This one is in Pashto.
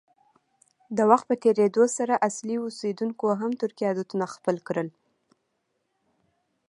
د وخت په تېرېدو سره اصلي اوسیدونکو هم ترکي عادتونه خپل کړل.